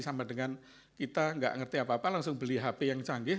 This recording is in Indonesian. sama dengan kita nggak ngerti apa apa langsung beli hp yang canggih